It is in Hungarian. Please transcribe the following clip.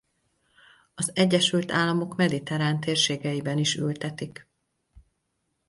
Az Egyesült Államok mediterrán térségeiben is ültetik.